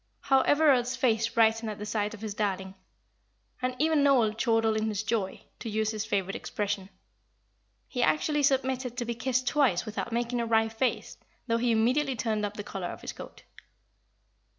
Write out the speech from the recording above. How Everard's face brightened at the sight of his darling! And even Noel "chortled in his joy," to use his favourite expression. He actually submitted to be kissed twice without making a wry face, though he immediately turned up the collar of his coat.